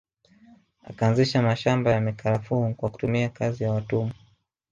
Akaanzisha mashamba ya mikarafuu kwa kutumia kazi ya watumwa